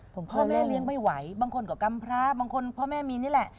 ผมพ่อแม่เลี้ยงไม่ไหวบางคนก็กำพระบางคนพ่อแม่มีนี่แหละ